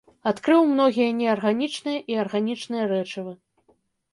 Адкрыў многія неарганічныя і арганічныя рэчывы.